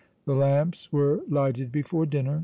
The lamps were lighted before dinner.